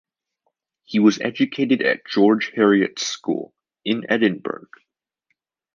He was educated at George Heriot's School, in Edinburgh.